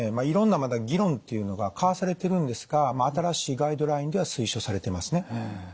いろんなまだ議論っていうのが交わされてるんですが新しいガイドラインでは推奨されてますね。